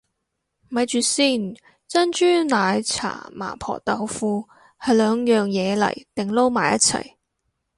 咪住先，珍珠奶茶麻婆豆腐係兩樣嘢嚟定撈埋一齊